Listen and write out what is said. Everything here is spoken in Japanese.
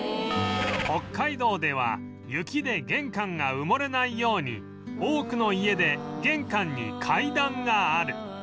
北海道では雪で玄関が埋もれないように多くの家で玄関に階段がある